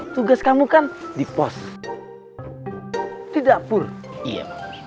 tugas kamu kan di pos di dapur iya